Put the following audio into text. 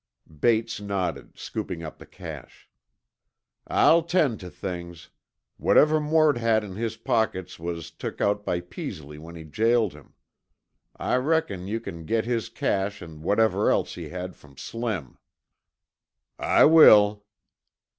Bates nodded, scooping up the cash. "I'll tend tuh things. Whatever Mort had in his pockets was took out by Peasley when he jailed him. I reckon you c'n get his cash an' whatever else he had from Slim." "I will."